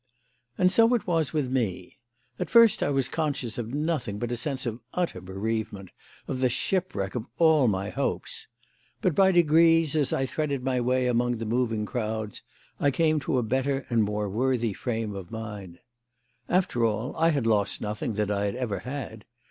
And so it was with me. At first I was conscious of nothing but a sense of utter bereavement, of the shipwreck of all my hopes. But, by degrees, as I threaded my way among the moving crowds, I came to a better and more worthy frame of mind. After all, I had lost nothing that I had ever had.